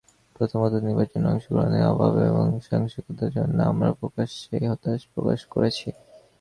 প্রথমত, নির্বাচনে অংশগ্রহণের অভাব এবং সহিংসতার জন্য আমরা প্রকাশ্যেই হতাশা প্রকাশ করেছি।